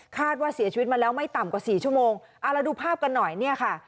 คาดว่าเสียชีวิตมาแล้วไม่ต่ำกว่า๔ชั่วโมงเอาละดูภาพกันหน่อยนี่ค่ะ